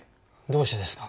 どうしてですか？